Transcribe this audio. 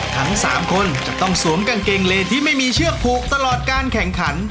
ทั้ง๓คนจะต้องสวมกางเกงเลที่ไม่มีเชือกผูกตลอดการแข่งขัน